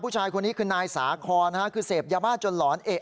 พู้ชายคนนี้คือนายสาของสีเหบยาว่าจนหลอน